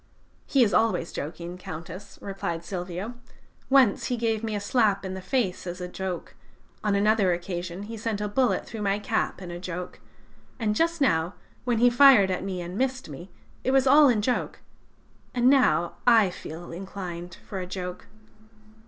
"'He is always joking, Countess,' replied Silvio: 'once he gave me a slap in the face in a joke; on another occasion he sent a bullet through my cap in a joke; and just now, when he fired at me and missed me, it was all in a joke. And now I feel inclined for a joke.'